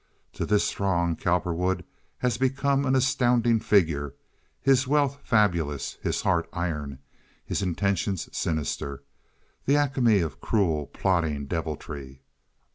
To this throng Cowperwood has become an astounding figure: his wealth fabulous, his heart iron, his intentions sinister—the acme of cruel, plotting deviltry.